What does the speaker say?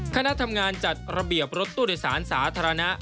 คณะทำงานจัดระเบียบรถตู้โดยสารสาธารณะ